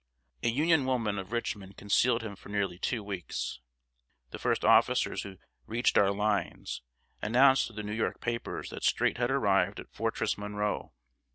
A Union woman of Richmond concealed him for nearly two weeks. The first officers who reached our lines announced through the New York papers that Streight had arrived at Fortress Monroe.